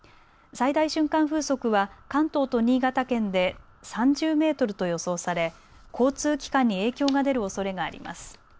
最大瞬間風速は関東と新潟県で３０メートルと予想され交通機関に影響が出るおそれがあります。